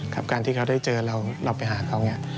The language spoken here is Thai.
การที่เขาได้เจอเราเราไปหาเขาเนี่ย